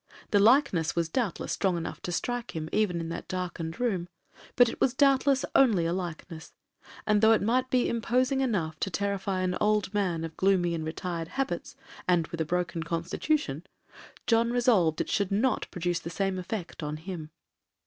The likeness was doubtless strong enough to strike him even in that darkened room, but it was doubtless only a likeness; and though it might be imposing enough to terrify an old man of gloomy and retired habits, and with a broken constitution, John resolved it should not produce the same effect on him.